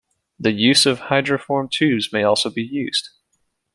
The use of hydroformed tubes may also be used.